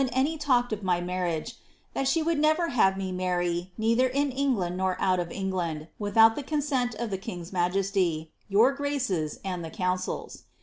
y ta'^ed of vny marriage, *that she would never have me marry, neither in EngJ^'td nor out of England, without the consent of the king's majesty, your pra ^*? 9, ami the council's.'